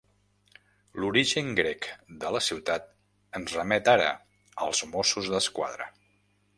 L'origen grec de la ciutat ens remet ara als Mossos d'Esquadra.